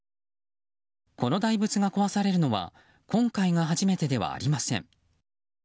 この大仏が壊されるのは今回が初めてではありません。